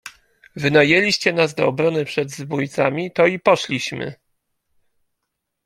Wynajęliście nas do obrony przed zbójcami, to i poszliśmy.